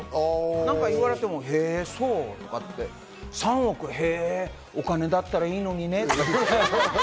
何か言われてもへぇ、そうとかって３億、へぇ、お金だったらいいのにねとか。